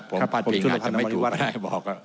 ผมจุรพันธ์ไม่ถูกก็ได้บอกครับ